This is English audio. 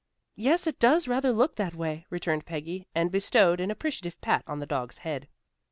"Yes, it does rather look that way," returned Peggy, and bestowed an appreciative pat on the dog's head.